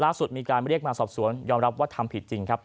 มีการเรียกมาสอบสวนยอมรับว่าทำผิดจริงครับ